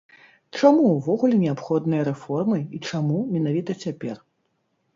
Чаму ўвогуле неабходныя рэформы і чаму менавіта цяпер?